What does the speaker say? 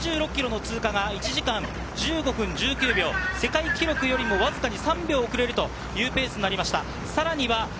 ２６ｋｍの通過が１時間１５分１９秒、世界記録よりもわずか２３秒遅れるというペースになりました。